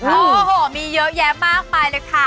โอ้โหมีเยอะแยะมากมายเลยค่ะ